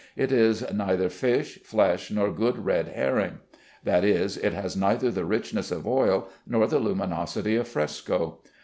It is neither fish, flesh, nor good red herring; that is, it has neither the richness of oil nor the luminosity of fresco.